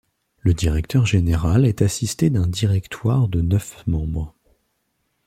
Le directeur général est assisté d'un directoire de neuf membres.